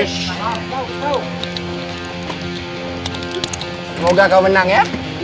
semoga kau menang ya